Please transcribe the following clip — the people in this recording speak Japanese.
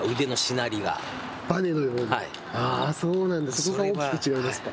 そこが大きく違いますか。